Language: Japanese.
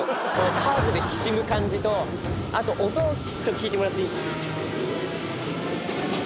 カーブできしむ感じと、あと音、ちょっと聞いてもらっていいですか。